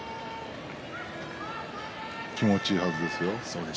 気持ちいいはずですよ。